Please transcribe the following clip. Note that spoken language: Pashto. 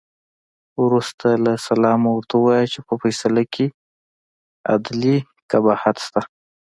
وروسته له سلامه ورته ووایه چې په فیصله کې عدلي قباحت شته.